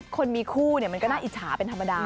คนมีคู่มันก็น่าอิจฉาเป็นธรรมดา